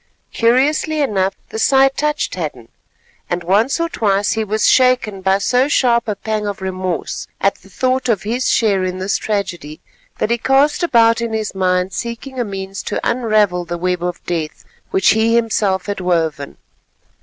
Curiously enough, the sight touched Hadden, and once or twice he was shaken by so sharp a pang of remorse at the thought of his share in this tragedy, that he cast about in his mind seeking a means to unravel the web of death which he himself had woven.